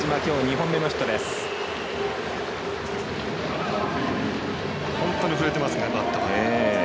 本当に振れてますねバット。